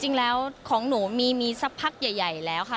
จริงแล้วของหนูมีสักพักใหญ่แล้วค่ะ